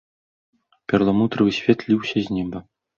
Перламутравы свет ліўся з неба.